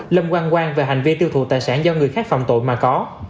lâm quang quang về hành vi tiêu thụ tài sản do người khác phạm tội mà có